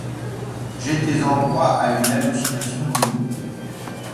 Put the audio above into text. J’étais en proie à une hallucination douloureuse.